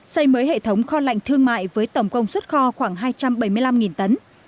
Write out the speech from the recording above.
xây mới hệ thống kho lạnh thương mại với tổng công suất kho khoảng hai trăm bảy mươi năm tấn